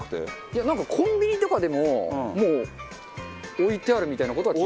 いやなんかコンビニとかでももう置いてあるみたいな事は。